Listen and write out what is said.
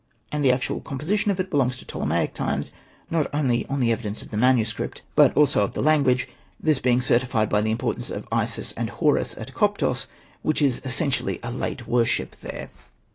And the actual composition of it belongs to Ptolemaic times, not only on the evidence of the manuscript, Hosted by Google 122 SETNA AND THE MAGIC BOOK but also of the language ; this being certified by the importance of Isis and Horus at Koptos, which is essentially a late worship there.